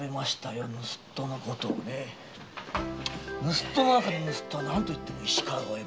盗っ人の中の盗っ人は何といっても石川五右衛門。